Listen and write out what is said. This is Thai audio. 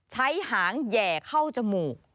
หางแห่เข้าจมูก